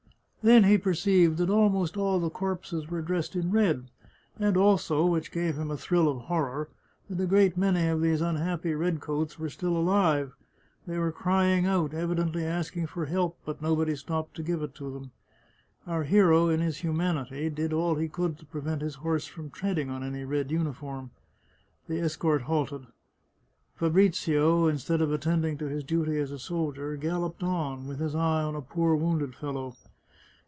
Then he perceived that almost all the corpses were dressed in 43 The Chartreuse of Parma red, and also, which gave him a thrill of horror, that a great many of these unhappy " red coats " were still alive. They were crying out, evidently asking for help, but nobody stopped to give it to them. Our hero, in his humanity, did all he could to prevent his horse from treading on any red uniform. The escort halted. Fabrizio, instead of attend ing to his duty as a soldier, galloped on, with his eye on a poor wounded fellow.